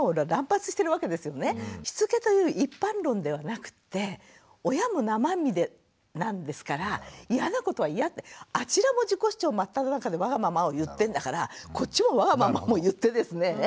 しつけという一般論ではなくって親も生身でなんですからイヤなことはイヤってあちらも自己主張真っただ中でわがままを言ってんだからこっちもわがままを言ってですね